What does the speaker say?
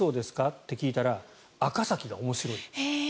って聞いたら赤崎が面白いって。